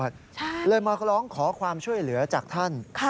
ใช่เลยมาร้องขอความช่วยเหลือจากท่าน